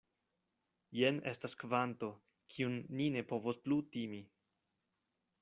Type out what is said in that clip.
Jen estas kvanto, kiun ni ne povos plu timi.